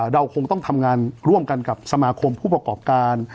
เราคงต้องทำงานร่วมกันกับสมาคมผู้ประกอบการ